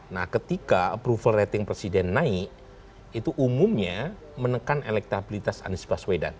nah ketika approval rating presiden naik itu umumnya menekan elektabilitas anies baswedan